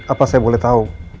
apa saya boleh tahu